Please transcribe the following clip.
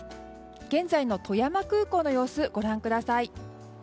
現在の富山空港の様子ご覧ください。